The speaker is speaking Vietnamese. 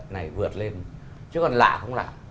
này vượt lên chứ còn lạ không lạ